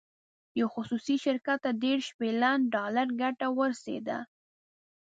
یو خصوصي شرکت ته دېرش بیلین ډالر ګټه ورسېده.